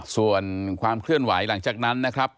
ส่วนความเคลื่อนไหวหลังจากนั้นนะครับ